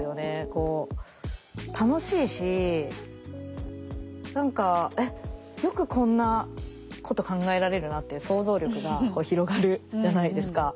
こう楽しいし何か「えっよくこんなこと考えられるな」っていう想像力が広がるじゃないですか。